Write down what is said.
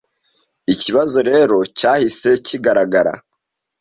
Ikibazo rero cyahise kigaragara.